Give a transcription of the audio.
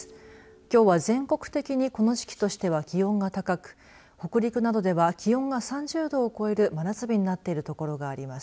きょうは全国的にこの時期としては気温が高く、北陸などでは気温が３０度を超える真夏日になっている所があります。